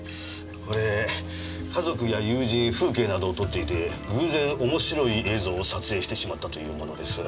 これ家族や友人風景などを撮っていて偶然面白い映像を撮影してしまったというものです。